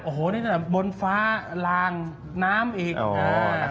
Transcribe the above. โอ้โฮนี่สำหรับบนฟ้ารางน้ำอีก